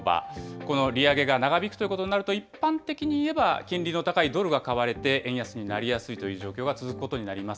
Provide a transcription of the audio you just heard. この利上げが長引くということになると、一般的にいえば金利の高いドルが買われて円安になりやすいという状況が続くことになります。